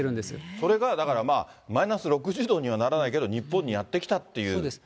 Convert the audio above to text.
それがだから、マイナス６０度にはならないけれども、日本にやって来たという感じですよね。